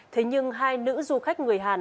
thế nhưng hai nữ du khách người hàn